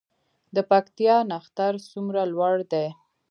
د پکتیا نښتر څومره لوړ دي؟